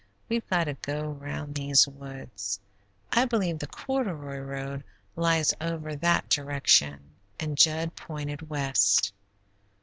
"We've got to go round these woods. I believe the corduroy road lies over that direction," and Jud pointed west.